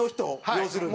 要するに。